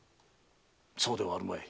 そうではあるまい。